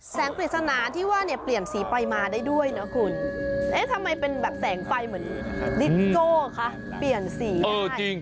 แสงผลิตสนาที่ว่าเปลี่ยนสีไปมาได้ด้วยนะคุณทำไมเป็นแสงไฟเหมือนลิตโกคะเปลี่ยนสีได้